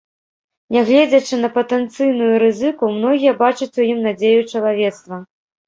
Нягледзячы на патэнцыйную рызыку, многія бачаць у ім надзею чалавецтва.